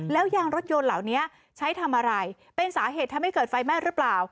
แล้วยางรถยนต์เหล่านี้ใช้ทำอะไรเป็นสาเหตุทำให้เกิดไฟไหม้หรือเปล่า